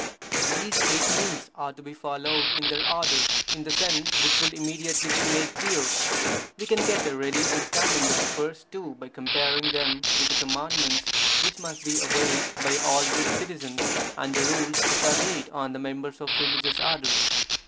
These eight means are to be followed in their order, in the sense which will immediately be made clear. We can get a ready understanding of the first two by comparing them with the Commandments which must be obeyed by all good citizens, and the Rules which are laid on the members of religious orders.